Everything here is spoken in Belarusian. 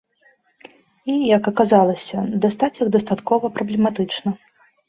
І, як аказалася, дастаць іх дастаткова праблематычна.